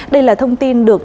đây là thông tin được